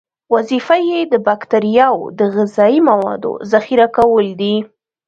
وظیفه یې د باکتریاوو د غذایي موادو ذخیره کول دي.